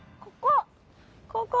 ここ！